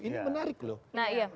ini menarik loh